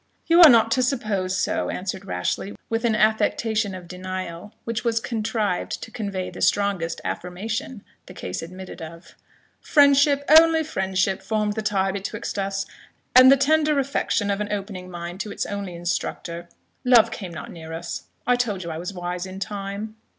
"You are not to suppose so," answered Rashleigh, with an affectation of denial which was contrived to convey the strongest affirmation the case admitted of: "friendship only friendship formed the tie betwixt us, and the tender affection of an opening mind to its only instructor Love came not near us I told you I was wise in time."